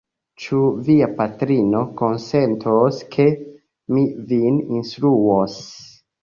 Ĉu via patrino konsentos, ke mi vin instruos?